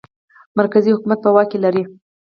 مرکزي حکومت په واک کې لري.